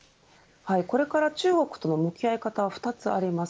これから中国との向き合い方は２つあります。